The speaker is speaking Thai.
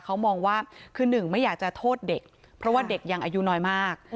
เขามองว่าคือหนึ่งไม่อยากจะโทษเด็กเพราะว่าเด็กยังอายุน้อยมาก